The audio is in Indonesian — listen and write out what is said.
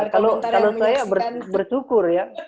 kalau saya bersyukur ya